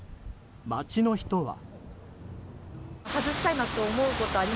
街の人は。